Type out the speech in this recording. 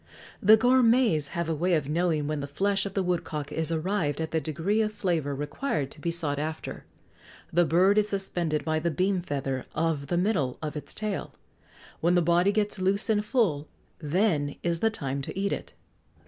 The gourmets have a way of knowing when the flesh of the woodcock is arrived at the degree of flavour required to be sought after: the bird is suspended by the beam feather of the middle of its tail; when the body gets loose and full, then is the time to eat it.